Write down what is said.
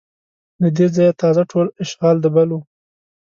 له دې ځایه تازه ټول اشغال د بل و